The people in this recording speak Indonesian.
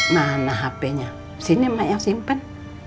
mana hapenya sini mak yang simpen